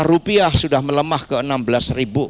rupiah sudah melemah ke bawah